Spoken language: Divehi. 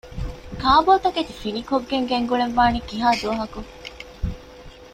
ކާބޯތަކެތި ފިނިކޮށްގެން ގެންގުޅެން ވާނީ ކިހާ ދުވަހަކު؟